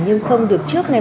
nhưng không được chuẩn bị